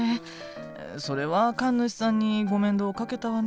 それは神主さんにご面倒かけたわね。